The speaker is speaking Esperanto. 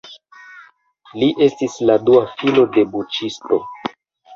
Li estis la dua filo de buĉisto.